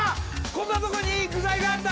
こんなとこにいい具材があった！